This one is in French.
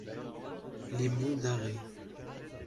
Les Monts d’Arrée.